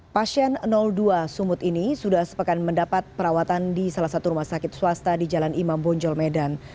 pasien dua sumut ini sudah sepekan mendapat perawatan di salah satu rumah sakit swasta di jalan imam bonjol medan